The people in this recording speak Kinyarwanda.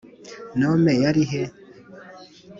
nomme yari he?